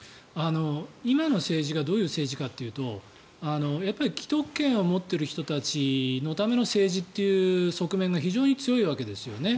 今の政治がどういう政治家というと既得権を持っている人たちのための政治という側面が非常に強いわけですよね。